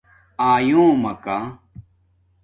آیݸمکہ